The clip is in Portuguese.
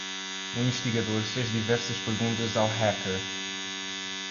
O investigador fez diversas perguntas ao hacker.